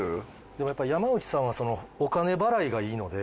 でもやっぱ山内さんはそのお金払いがいいので。